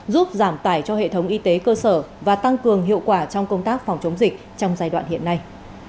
giúp giảm tải cho hệ thống y tế cơ sở và tăng cường hiệu quả trong công tác phòng chống dịch trong giai đoạn hiện nay